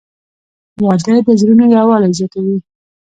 • واده د زړونو یووالی زیاتوي.